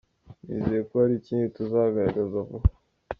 Nizeye ko hari ikindi tuzagaragaza vuba.